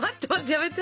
やめて。